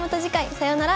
さようなら。